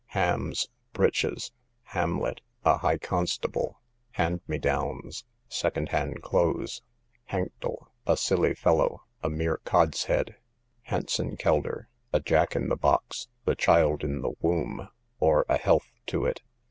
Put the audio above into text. Hams, breeches. Hamlet, a high constable. Hand me downs, second hand clothes. Hanktel, a silly fellow, a mere cod's head. Hansan kelder, a jack in the box, the child in the womb, or a health to it.